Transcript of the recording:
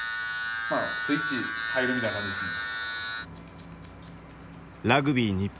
スイッチ入るみたいな感じですね。